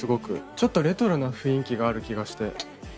ちょっとレトロな雰囲気がある気がして。